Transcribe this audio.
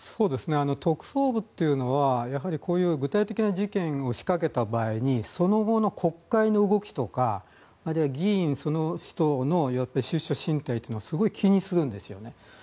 特捜部というのはこういう具体的な事件を仕掛けた場合にその後の国会の動きとかあるいは議員その人の出処進退というのはすごく気にするんですよね。